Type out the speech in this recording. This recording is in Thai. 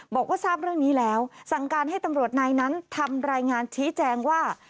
บอกว่าทราบเรื่องนี้แล้วสั่งการให้ตำรวจนายนั้นทำรายงานชี้แจงว่า